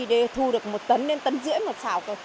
để thu được một tấn đến tấn rưỡi một xào thôi